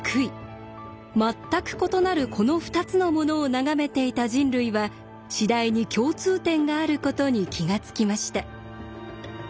全く異なるこの２つのものを眺めていた人類は次第に共通点があることに気が付きました。